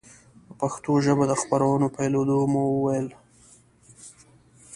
په پښتو ژبه د خپرونو پیلېدو مو وویل.